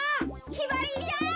きばりぃや！